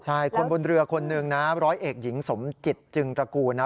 ใช่คนบนเรือคนหนึ่งนะร้อยเอกหญิงสมจิตจึงตระกูลนะ